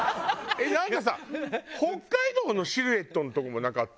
えっなんかさ北海道のシルエットのところもなかった？